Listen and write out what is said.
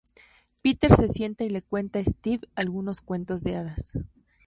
Peter se sienta y le cuenta a Stewie algunos cuentos de hadas.